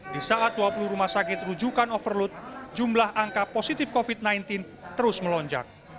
di saat dua puluh rumah sakit rujukan overload jumlah angka positif covid sembilan belas terus melonjak